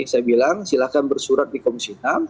jadi saya bilang silahkan bersurat di komisi enam